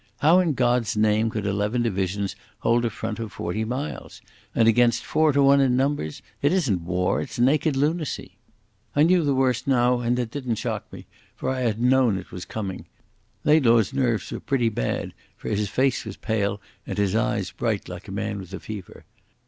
"How in God's name could eleven divisions hold a front of forty miles? And against four to one in numbers? It isn't war, it's naked lunacy." I knew the worst now, and it didn't shock me, for I had known it was coming. Laidlaw's nerves were pretty bad, for his face was pale and his eyes bright like a man with a fever.